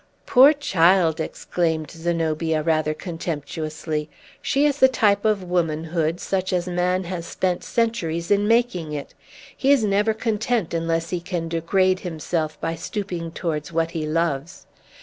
"Poor child!" exclaimed Zenobia, rather contemptuously. "She is the type of womanhood, such as man has spent centuries in making it. He is never content unless he can degrade himself by stooping towards what he loves.